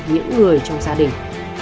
những người trong gia đình